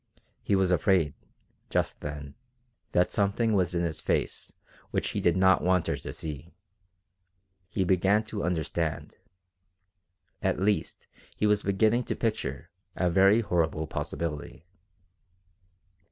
He was afraid, just then, that something was in his face which he did not want her to see. He began to understand; at least he was beginning to picture a very horrible possibility.